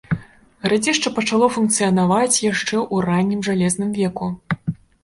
Гарадзішча пачало функцыянаваць яшчэ ў раннім жалезным веку.